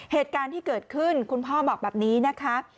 เหตุการณ์ที่เกิดขึ้นคุณพ่อบอกแบบนี้นะคะ